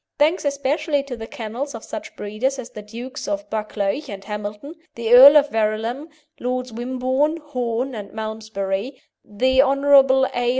Thanks especially to the kennels of such breeders as the Dukes of Buccleuch and Hamilton, the Earl of Verulam, Lords Wimborne, Horne, and Malmesbury, the Hon. A.